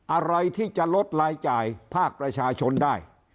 อะไรที่จะลดรายจ่ายภาคประชาชนได้